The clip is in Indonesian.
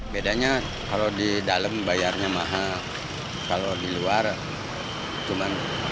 bedanya kalau di dalam bayarnya mahal kalau di luar cuma